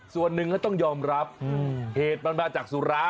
ส่วนหนึ่งก็ต้องยอมรับเหตุมันมาจากสุระ